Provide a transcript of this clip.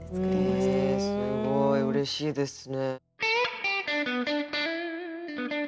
すごいうれしいですね。